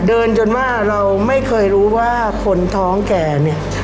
เดินจนว่าเราไม่เคยรู้ว่าคนท้องแก่เนี่ย